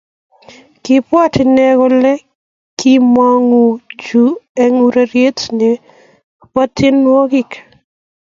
Kibwaat enen kole kimongu chu eng ureriet ne kibo tienwokik